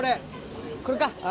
これか。